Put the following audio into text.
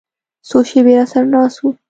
څو شېبې راسره ناست و.